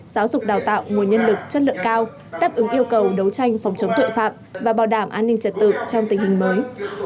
giáo dục đào tạo nguồn nhân lực chất lượng cao đáp ứng yêu cầu đấu tranh phòng chống tội phạm và bảo đảm an ninh trật tự trong tình hình mới